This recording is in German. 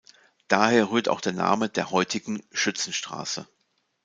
Daher rührt auch der Name der heutigen "Schützenstraße".